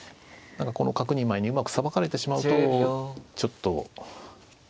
角２枚にうまくさばかれてしまうとちょっと。